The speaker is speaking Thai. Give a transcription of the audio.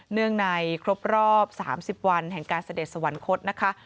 เนื่องในครบรอบ๓๐วันแห่งการเสด็จสวรรคตนะคะ